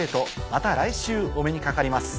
また来週お目にかかります。